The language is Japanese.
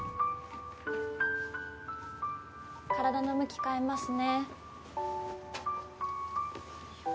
体の向き変えますね。